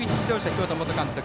京都元監督